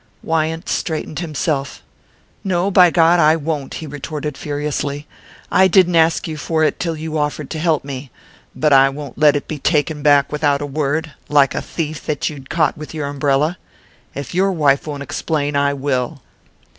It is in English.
Wyant straightened himself. "No, by God, I won't!" he retorted furiously. "I didn't ask you for it till you offered to help me; but I won't let it be taken back without a word, like a thief that you'd caught with your umbrella. If your wife won't explain I will.